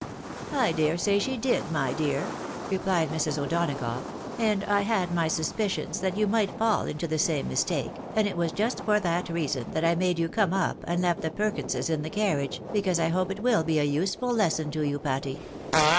" I dare say she did, my dear," replied Mrs. O'Donagough, " and I had my suspicions that you might fall into the same mistake, and it was just for that reason that I made you come up, and left the Perkinses in the carriage, because I hope it will be a useful lesson to you, Patty.